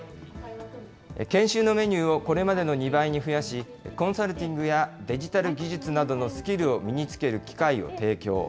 研修のメニューをこれまでの２倍に増やし、コンサルティングや、デジタル技術などのスキルを身につける機会を提供。